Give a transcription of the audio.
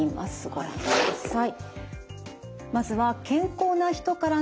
ご覧ください。